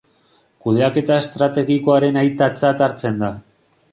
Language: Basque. Kudeaketa estrategikoaren aitatzat hartzen da.